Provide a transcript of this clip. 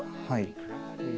はい。